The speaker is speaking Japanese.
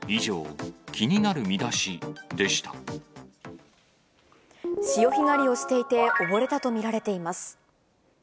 潮干狩りをしていて溺れたと見られています。